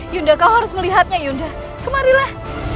yunda kau harus melihatnya yaudah kemarilah